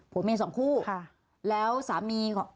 ผัวเมศสองคู่แล้วสามี